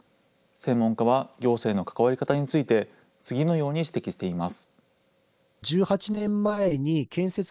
専門家は、行政の関わり方について、次のように指摘しています。